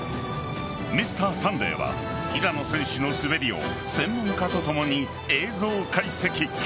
「Ｍｒ．サンデー」は平野選手の滑りを専門家とともに映像解析。